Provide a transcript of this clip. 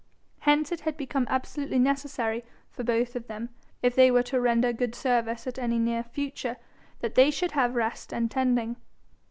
Hence it had become absolutely necessary for both of them, if they were to render good service at any near future, that they should have rest and tending.